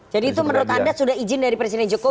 jadi itu menurut anda sudah izin dari presiden jokowi